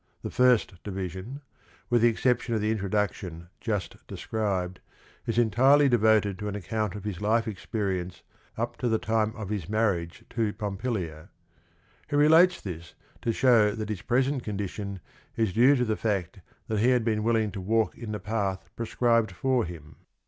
The first division, with the exception of the in troduction just described, is entirely devoted to an account of his life experience up to the time of his marriage to Pompilia. He relates this to show that his present condition is due to the fact that he had been willing to walk in the path prescribed for him.